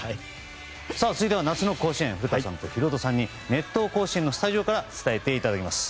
続いては夏の甲子園古田さんとヒロドさんに「熱闘甲子園」のスタジオから伝えてもらいます。